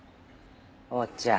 お茶。